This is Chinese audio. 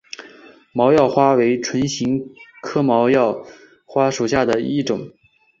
毛药花为唇形科毛药花属下的一个种。